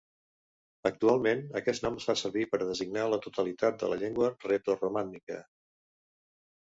Actualment aquest nom es fa servir per a designar la totalitat de la llengua retoromànica.